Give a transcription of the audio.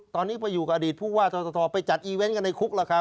ตอนนี้ไปอยู่กับอดีตผู้ว่าทศไปจัดอีเวนต์กันในคุกแล้วครับ